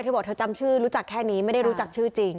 เธอบอกเธอจำชื่อรู้จักแค่นี้ไม่ได้รู้จักชื่อจริง